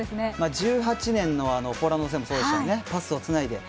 １８年のポーランド戦もそうでしたよね、パスをつないで。